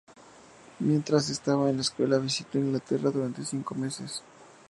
Mientras estaba en la escuela visitó Inglaterra durante cinco meses.